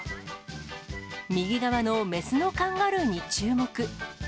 右側の雌のカンガルーに注目。